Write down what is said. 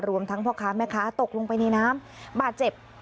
รวมทั้งพ่อค้าแม่ค้าตกลงไปในน้ำบาดเจ็บ